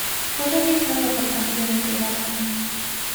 Fue realizada por canteros de la zona.